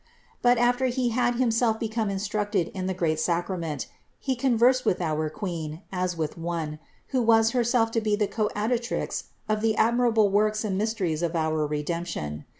But after he had himself become instructed in the great sacrament, he conversed with our Queen, as with one, who was Herself to be the Coadjutrix of the admira ble works and mysteries of our Redemption.